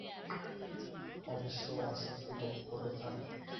অবশ্যি অস্বস্তি বোধ করলে থাক।